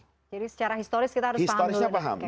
jadi secara historis kita harus paham dulu